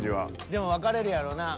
でも分かれるやろな。